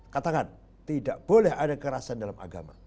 katakan tidak boleh ada kekerasan dalam agama